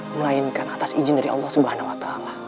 melainkan atas izin dari allah swt